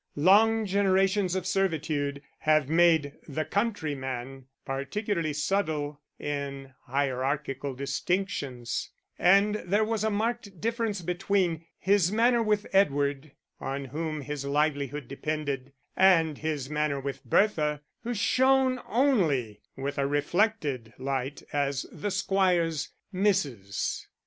Long generations of servitude have made the countryman peculiarly subtle in hierarchical distinctions; and there was a marked difference between his manner with Edward, on whom his livelihood depended, and his manner with Bertha, who shone only with a reflected light as the squire's missus.